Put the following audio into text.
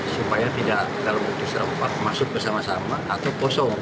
supaya tidak terlalu berdiskusi masuk bersama sama atau kosong